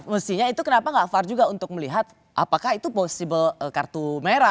mestinya itu kenapa gak far juga untuk melihat apakah itu possible kartu merah